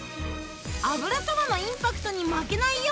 油そばのインパクトに負けないよう